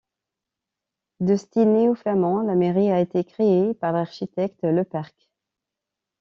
De style néo-flamand, la mairie a été créée par l'architecte Lepercq.